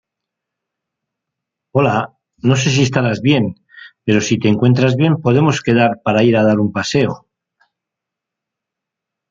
Esta tecnología es usada intensamente en la actualidad.